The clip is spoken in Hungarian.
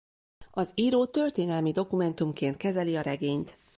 Az író történelmi dokumentumként kezeli a regényt.